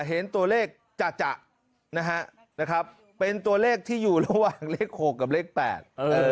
เห็นตัวเลขจะนะฮะนะครับเป็นตัวเลขที่อยู่ระหว่างเลขหกกับเลขแปดเออ